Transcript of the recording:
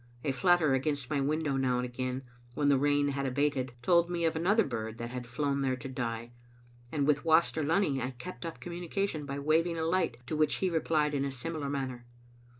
A flutter against my window now and again, when the rain had abated, (told me of another bird that had flown there to die ; and with Waster Lunny, I kept up communication by wav ing a light, to which he replied in a similar manner.